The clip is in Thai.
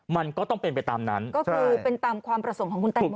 มันก็ต้องเป็นไปตามนั้นก็คือเป็นตามความประสงค์ของคุณแตงโม